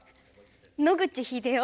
野口英世。